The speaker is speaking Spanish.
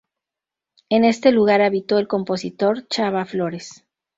En este lugar habitó el compositor Chava Flores.